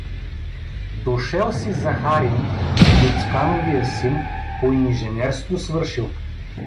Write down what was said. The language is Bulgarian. Дошел си Захарин, Люцкановия син, по инженерство свършил.